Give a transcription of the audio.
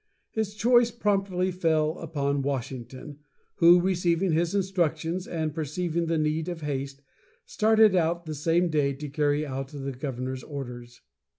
His choice promptly fell upon Washington, who, receiving his instructions, and perceiving the need of haste, started out that same day to carry out the governor's orders.